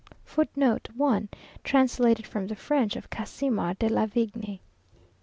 " [Footnote 1: Translated from the French of Casimir Delavigne.